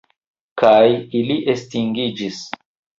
Kaj ili estingiĝis.